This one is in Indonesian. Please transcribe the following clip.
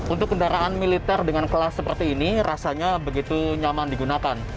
untuk kendaraan militer dengan kelas seperti ini rasanya begitu nyaman digunakan